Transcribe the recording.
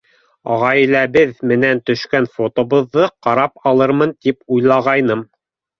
Ғаиләбеҙ менән төшкән фотобыҙҙы ҡарап алырмын тип уйлағайным.